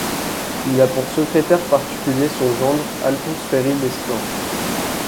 Il a pour secrétaire particulier son gendre, Alphonse Féry d'Esclands.